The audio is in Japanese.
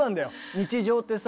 日常ってさ。